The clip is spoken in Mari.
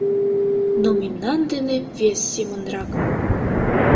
Но мемнан дене вес семынрак.